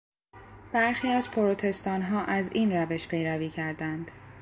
برخی از پروتستانها از این روش پیروی کردند.